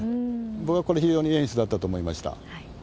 僕はこれ、非常にいい演出だったと思いました。